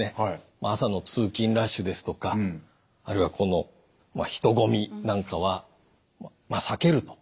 朝の通勤ラッシュですとかあるいは人混みなんかは避けると。